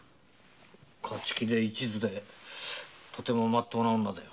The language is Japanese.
勝ち気で一途でとてもまっとうな女だよ。